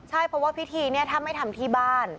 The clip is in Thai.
ใช่เพราะว่าพิธีเนี่ยถ้าไม่ทำที่บ้าน